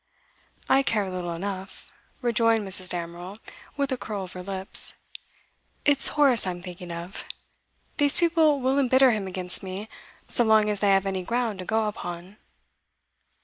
'I care little enough,' rejoined Mrs. Damerel, with a curl of the lips. 'It's Horace I am thinking of. These people will embitter him against me, so long as they have any ground to go upon.